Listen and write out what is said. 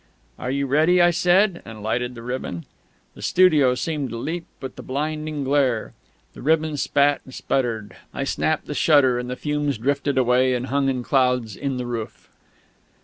"Are you ready?" I said; and lighted the ribbon. The studio seemed to leap with the blinding glare. The ribbon spat and spluttered. I snapped the shutter, and the fumes drifted away and hung in clouds in the roof.